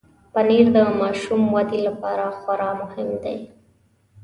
پنېر د ماشوم ودې لپاره خورا مهم دی.